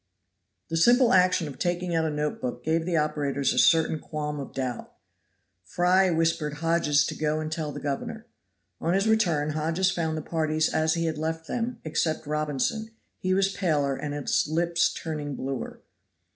The simple action of taking out a notebook gave the operators a certain qualm of doubt. Fry whispered Hodges to go and tell the governor. On his return Hodges found the parties as he had left them, except Robinson he was paler and his lips turning bluer.